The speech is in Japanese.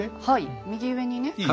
はい右上にね。